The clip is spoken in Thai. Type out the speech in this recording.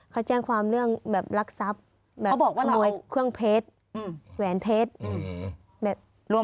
เขาแจ้งความเรื่องแบบรักทรัพย์เขาบอกว่าขโมยเครื่องเพชรแหวนเพชร